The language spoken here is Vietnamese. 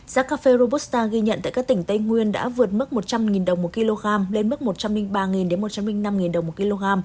giá cà phê robusta ghi nhận tại các tỉnh tây nguyên đã vượt mức một trăm linh đồng một kg lên mức một trăm linh ba một trăm linh năm đồng một kg